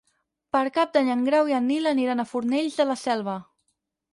Per Cap d'Any en Grau i en Nil aniran a Fornells de la Selva.